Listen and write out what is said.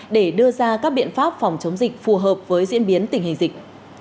để đưa ra các biện pháp phòng chống dịch phù hợp với diễn biến tình hình dịch